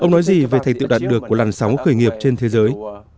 ông nói gì về thành tựu đạt được của lần sáu khởi nghiệp trên thế giới